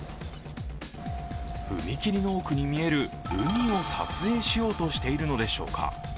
踏切の奥に見える海を撮影しようとしているのでしょうか。